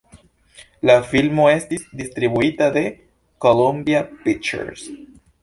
La filmo estis distribuita de Columbia Pictures.